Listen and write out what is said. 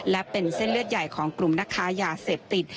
และเป็นเส้นเลือดใหญ่ของกลุ่มนักค้ายาเสพติด